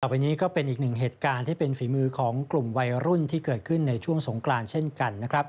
ไปนี้ก็เป็นอีกหนึ่งเหตุการณ์ที่เป็นฝีมือของกลุ่มวัยรุ่นที่เกิดขึ้นในช่วงสงกรานเช่นกันนะครับ